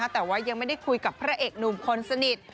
แต่ว่ายังไม่ได้คุยกับพระเอกหนุ่มคนสนิท